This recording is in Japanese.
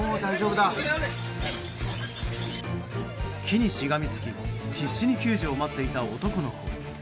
木にしがみつき必死に救助を待っていた男の子。